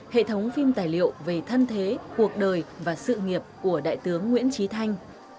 hệ thống phim tài liệu về thân thế cuộc đời và sự nghiệp của đại tướng nguyễn trí thanh